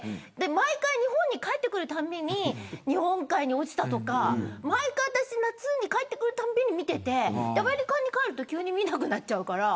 毎回、日本に帰ってくるたびに日本海に落ちたとか毎回、夏に帰ってくるたびに見ていてアメリカに帰ると急に見なくなっちゃうから。